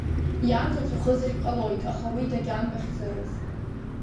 Иан илҵәахызаргь ҟалоит, аха уи дагьанбахьӡарыз…